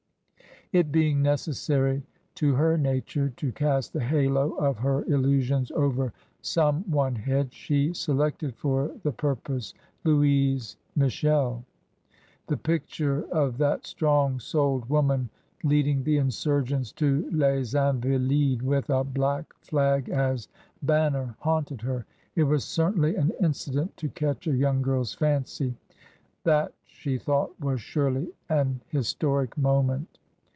It being necessary to her nature to cast the halo of her illusions over some one head, she selected for the pur pose Louise Michel. The picture of that strong souled woman leading the insurgents to les Invalides with a black flag as banner haunted her ; it was certainly an incident to catch a young girl's fancy. That, she thought, was surely an historic moment